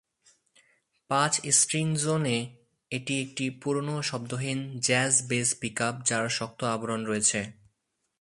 পাঁচ স্ট্রিং জোনে, এটি একটি পুরানো শব্দহীন জ্যাজ বেস পিকআপ, যার শক্ত আবরণ রয়েছে।